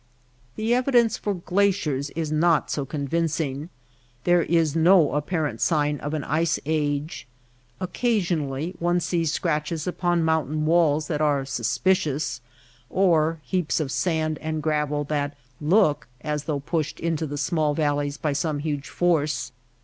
The evidence for glaciers is not so convinc ing. There is no apparent sign of an ice age. Occasionally one sees scratches upon mountain walls that are suspicious, or heaps of sand and gravel that look as though pushed into the small valleys by some huge force.